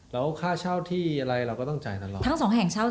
แล้วค่าเช่าที่อะไรเราก็ต้องจ่ายทั้งรอบทั้ง๒แห่งเช่าค่ะ